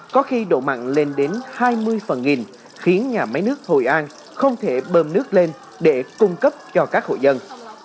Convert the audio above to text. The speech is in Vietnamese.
có khi độ mặn lên đến hai mươi phần nghìn khiến nhà máy nước hội an không thể bơm nước lên để cung cấp cho các hội dân